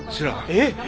えっ。